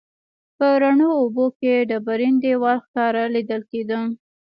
په روڼو اوبو کې ډبرین دیوال ښکاره لیدل کیده.